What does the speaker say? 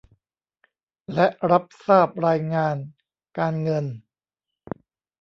และรับทราบรายงานการเงิน